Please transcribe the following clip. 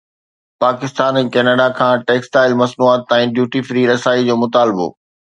Pakistan ۽ Canada کان textile مصنوعات تائين ڊيوٽي فري رسائي جو مطالبو